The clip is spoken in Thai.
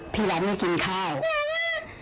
พี่เร้วไม่กินข้าว